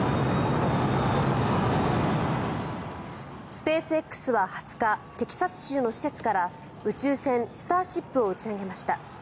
スペースＸは２０日テキサス州の施設から宇宙船、スターシップを打ち上げました。